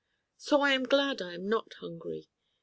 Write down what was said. So I am glad I am not hungry.